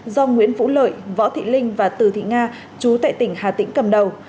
do nguyễn vũ lợi võ thị linh và từ thị nga chú tại tỉnh hà tĩnh cầm đầu